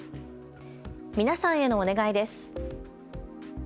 皆さんへのお願いです。